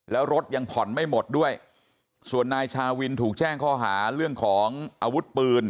แล้วรถยังผ่อนไม่หมดด้วยส่วนนายชาวินถูกแจ้งข้อหาเรื่องของอาวุธปืน